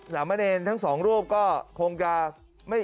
สามเมอร์เนรทั้งสองรูปก็คงจะ